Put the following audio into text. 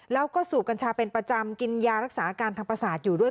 แล้วก็สูบกัญชาเป็นประจำกินยารักษาอาการทางประสาทอยู่ด้วย